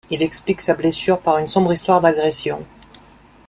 Il explique sa blessure par une sombre histoire d'agression.